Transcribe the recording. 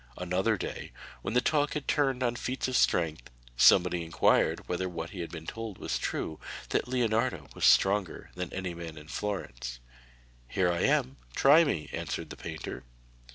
Another day, when the talk had turned on feats of strength, somebody inquired whether what he had been told was true, that Leonardo was stronger than any man in Florence. 'Here I am; try me,' answered the painter.